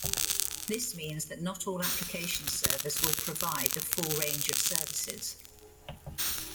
This means that not all application servers will provide the full range of services.